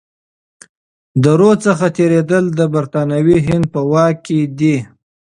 د رود څخه تیریدل د برتانوي هند په واک کي دي.